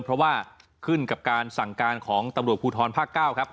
เพราะว่าขึ้นกับการสั่งการของตำรวจภูทรภาค๙ครับ